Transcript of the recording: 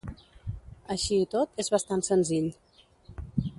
Així i tot és bastant senzill.